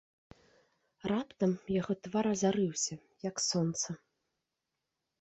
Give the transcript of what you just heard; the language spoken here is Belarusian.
Раптам яго твар азарыўся, як сонца.